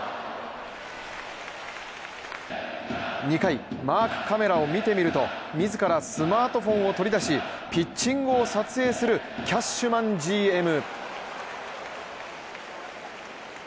２回、マークカメラを見てみると自らスマートフォンを取り出しピッチングを撮影するキャッシュマンＧＭ。